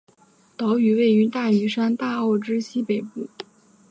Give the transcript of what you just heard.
岛屿位于大屿山大澳之西北部。